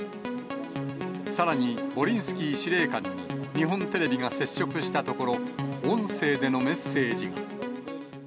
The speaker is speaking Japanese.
さらに、ボリンスキー司令官に日本テレビが接触したところ、音声でのメッセージが。